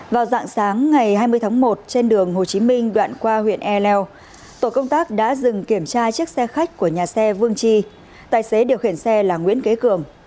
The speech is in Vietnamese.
vào dạng sáng ngày hai mươi tháng một trên đường hồ chí minh đoạn qua huyện e leo tổ công tác đã dừng kiểm tra chiếc xe khách của nhà xe vương chi tài xế điều khiển xe là nguyễn kế cường